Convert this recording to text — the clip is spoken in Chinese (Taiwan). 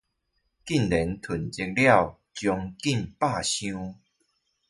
竟然囤積了將近百箱